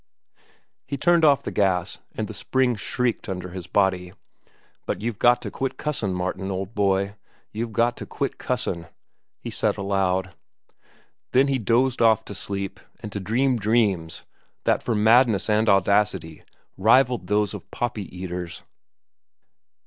He turned off the gas, and the springs shrieked under his body. "But you've got to quit cussin', Martin, old boy; you've got to quit cussin'," he said aloud. Then he dozed off to sleep and to dream dreams that for madness and audacity rivalled those of poppy eaters.